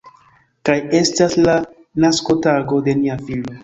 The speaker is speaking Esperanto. Kaj estas la naskotago de nia filo.